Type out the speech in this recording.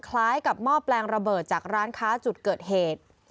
คล้ายกับหม้อแปลงระเบิดจากร้านค้าจุดเกิดเหตุ